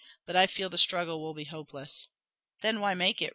But I feel the struggle will be hopeless." "Then why make it?"